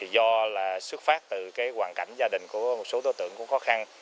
do xuất phát từ hoàn cảnh gia đình của một số đối tượng có khó khăn